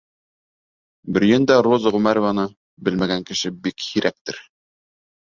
Бөрйәндә Роза Ғүмәрованы белмәгән кеше бик һирәктер.